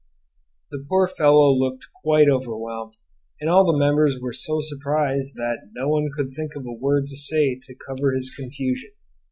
The poor fellow looked quite overwhelmed, and all the members were so surprised that no one could think of a word to say to cover his confusion.